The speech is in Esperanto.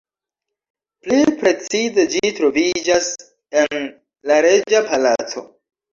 Pli precize ĝi troviĝas en la reĝa palaco.